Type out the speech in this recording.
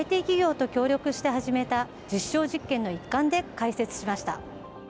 ＩＴ企業と協力して始めた実証実験の一環で開設しました。